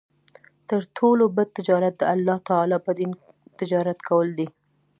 تر ټولو بَد تجارت د الله تعالی په دين تجارت کول دی